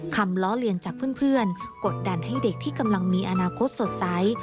ล้อเลียนจากเพื่อนกดดันให้เด็กที่กำลังมีอนาคตสดใส